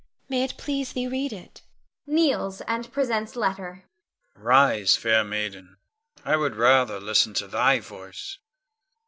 May it please thee, read it [kneels and presents letter]. Con. Rise, fair maiden! I would rather listen to thy voice.